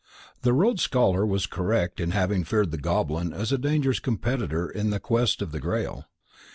X The Rhodes Scholar was correct in having feared the Goblin as a dangerous competitor in the quest of the Grail.